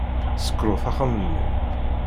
Ssekrut axxam-nni.